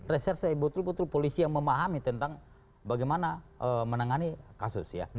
reserse betul betul polisi yang memahami tentang bagaimana menangani kasus ya